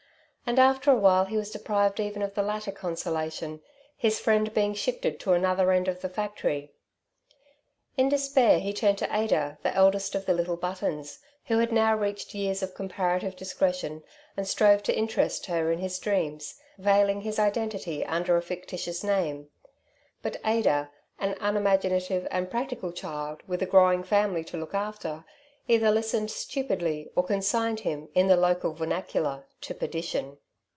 And after a while he was deprived even of the latter consolation, his friend being shifted to another end of the factory. In despair he turned to Ada, the eldest of the little Buttons, who now had reached years of comparative discretion, and strove to interest her in his dreams, veiling his identity under a fictitious name; but Ada, an unimaginative and practical child with a growing family to look after, either listened stupidly or consigned him, in the local vernacular, to perdition.